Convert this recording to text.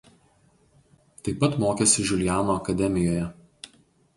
Taip pat mokėsi Žiuljano akademijoje.